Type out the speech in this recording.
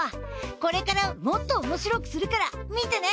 これからもっとおもしろくするから観てね！